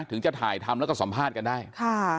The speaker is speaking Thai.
ถึงจะถ่ายทำแล้วก็สัมภาษณ์กันได้ค่ะ